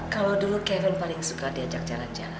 kalau dulu kevin paling suka diajak jalan jalan